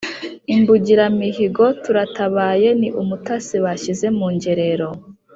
Imbungiramihigo turatabaye ni umutasi bashyize mu ngerero